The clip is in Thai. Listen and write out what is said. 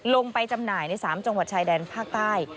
จำหน่ายใน๓จังหวัดชายแดนภาคใต้